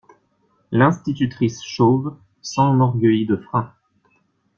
L'institutrice chauve s'enorgueillit de freins.